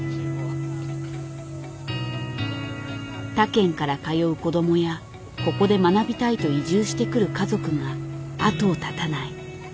他県から通う子どもやここで学びたいと移住してくる家族が後を絶たない。